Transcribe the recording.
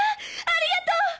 ありがとう！